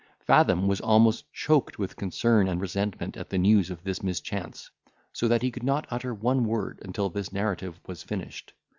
Fathom was almost choked with concern and resentment at the news of this mischance, so that he could not utter one word until this narrative was finished.